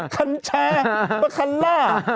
กัญชาปาคั้นล่ะ